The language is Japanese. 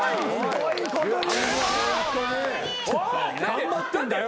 頑張ってんだよ！